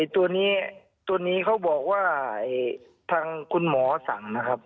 ตัวนี้ตัวนี้เขาบอกว่าทางคุณหมอสั่งนะครับ